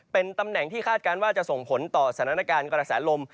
เป็นตำแหน่งที่คาดการณ์ว่าจะส่งผลต่อสถานการณ์กระแสลม